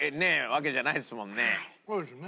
そうですよね。